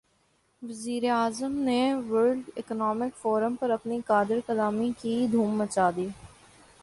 وزیر اعظم نے ورلڈ اکنامک فورم پہ اپنی قادرالکلامی کی دھوم مچا دی۔